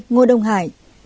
hai ngô đông hải